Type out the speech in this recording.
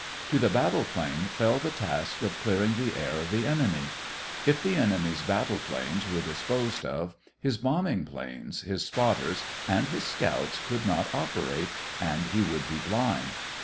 To the battle plane fell the task of clearing the air of the enemy. If the enemy's battle planes were disposed of, his bombing planes, his spotters, and his scouts could not operate, and he would be blind.